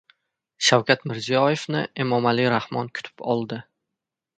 Shavkat Mirziyoyevni Emomali Rahmon kutib oldi